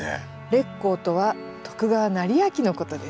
烈公とは徳川斉昭のことです。